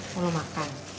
lo mau makan